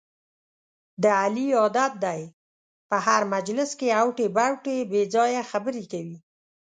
د علي عادت دی، په هر مجلس کې اوتې بوتې بې ځایه خبرې کوي.